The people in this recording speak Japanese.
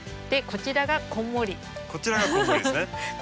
こちらがこんもりですね。